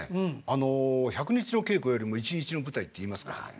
あの「１００日の稽古よりも１日の舞台」って言いますからね。